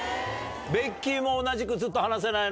ベッキーも同じくずっと離せないの？